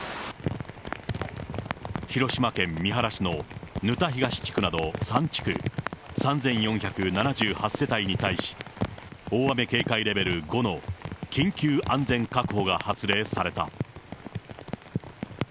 広島県三原市の沼田東地区など３地区３４７８世帯に対し、大雨警戒レベル５の緊急安全確保が発令された。